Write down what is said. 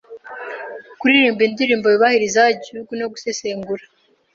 Kuririmba indirimbo yubahiriza Igihugu no gusesengura